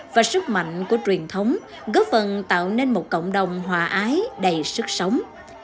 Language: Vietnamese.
và sức mạnh của truyền thống góp phần tạo nên một cộng đồng hòa ái đầy sức sống